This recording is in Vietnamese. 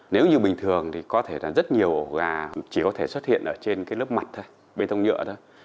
nếu như bình thường thì có thể rất nhiều ổ gà chỉ có thể xuất hiện trên lớp mặt bê tông nhựa thôi